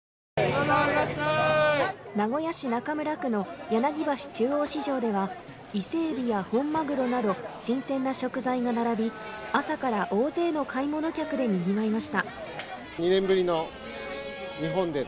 名古屋市中村区の柳橋中央市場では伊勢えびや本まぐろなど新鮮な食材が並び朝から大勢の買い物客でにぎわいまし。